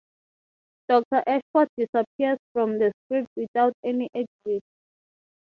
Doctor Ashford disappears from the script without any exit.